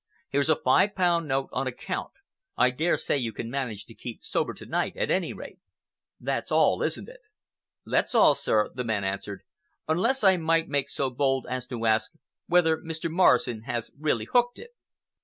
"Here's a five pound note on account. I daresay you can manage to keep sober to night, at any rate. That's all, isn't it?" "That's all, sir," the man answered, "unless I might make so bold as to ask whether Mr. Morrison has really hooked it?"